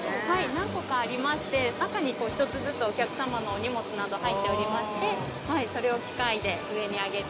何個かありまして中に１つずつ、お客様のお荷物など入っておりましてそれを機械で上に上げて。